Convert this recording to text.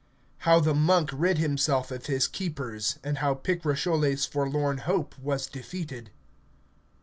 How the Monk rid himself of his keepers, and how Picrochole's forlorn hope was defeated.